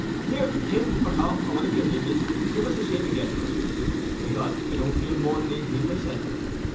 Here, Tim or Tom or whatever your name is, give us the same again here. By God, I don't feel more than eighteen myself.